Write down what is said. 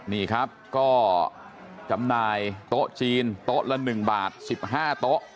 นี่ครับก็จำหน่ายโต๊ะจีนโต๊ะละ๑บาท๑๕โต๊ะ